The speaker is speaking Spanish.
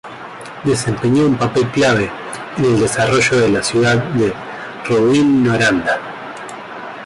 Desempeñó un papel clave en el desarrollo de la ciudad de Rouyn-Noranda.